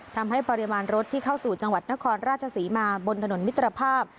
ทำให้ปริมาณรถที่เข้าสู่จังหวัดนครราชศรีมาบนถนนมิตรภาพ